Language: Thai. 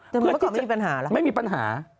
แต่มันเมื่อก่อนไม่มีปัญหาหรอไม่มีปัญหา